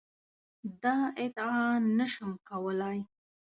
دا ادعا نه شم کولای.